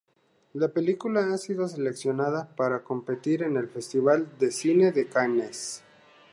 La película ha sido seleccionada para competir en el Festival de cine de Cannes.